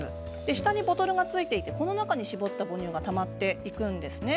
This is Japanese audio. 下にボトルがついていてこの中に搾った母乳がたまっていくんですね。